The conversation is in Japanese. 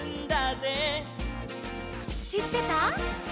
「しってた？」